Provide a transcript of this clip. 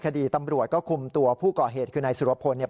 คดีตำรวจก็คุมตัวผู้ก่อเหตุคือนายสุรพลเนี่ย